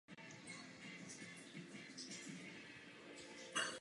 Některé studie považují rozdíly za kulturně podmíněné.